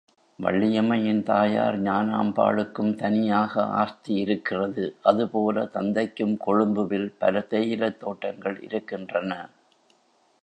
வள்ளியம்மையின் தாயார் ஞானம்பாளுக்கும் தனியாக ஆஸ்தி இருக்கிறது அதுபோல தந்தைக்கும் கொழும்புவில் பல தேயிலைத் தோட்டங்கள் இருக்கின்றன.